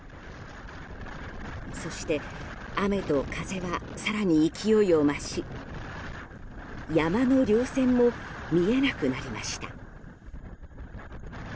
そして、雨と風は更に勢いを増し山の稜線も見えなくなりました。